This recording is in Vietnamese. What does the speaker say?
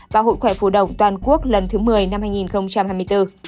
và hội khoẻ phù đồng toàn quốc lần thứ một mươi năm hai nghìn hai mươi bốn